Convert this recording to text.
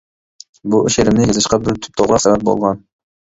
بۇ شېئىرىمنى يېزىشقا بىر تۈپ توغراق سەۋەب بولغان.